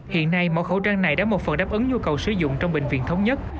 hiện nay mẫu khẩu trang này đã một phần đáp ứng nhu cầu sử dụng trong bệnh viện thống nhất